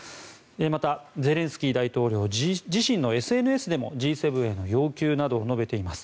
また、ゼレンスキー大統領は自身のＳＮＳでもＧ７への要求などを述べています。